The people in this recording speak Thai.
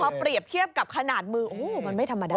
พอเปรียบเทียบกับขนาดมือโอ้โหมันไม่ธรรมดา